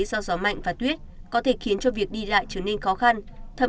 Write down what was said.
do gió mạnh và tuyết có thể khiến cho việc đi lại trở nên khó